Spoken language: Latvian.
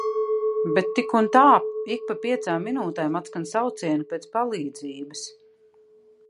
Bet tik un tā ik pa piecām minūtēm atskan saucieni pēc palīdzības!